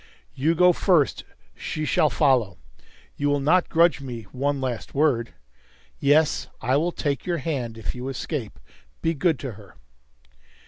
"You go first. She shall follow. You will not grudge me one last word? Yes, I will take your hand. If you escape be good to her!"